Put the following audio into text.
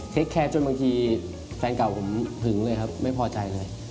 แคสจนบางทีแฟนเก่าผมหึงเลยครับไม่พอใจเลย